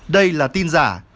đây là tin giả